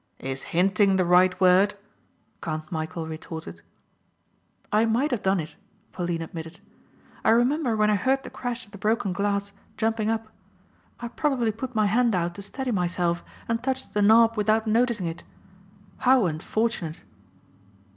"Is hinting the right word?" Count Michæl retorted. "I might have done it," Pauline admitted, "I remember when I heard the crash of the broken glass jumping up. I probably put my hand out to steady myself and touched the knob without noticing it. How unfortunate!"